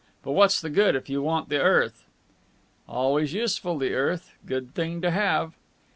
But what's the good, if you want the earth?" "Always useful, the earth. Good thing to have."